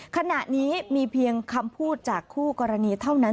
ขณะนี้มีเพียงคำพูดจากคู่กรณีเท่านั้น